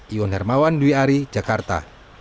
iwan hermawan dwi ari jakarta